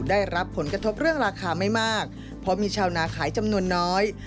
ได้รับผลกระทบเรื่องราคาไม่มากเพราะมีชาวนาขายจำนวนน้อย